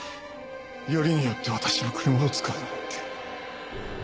よりによって私の車を使うなんて。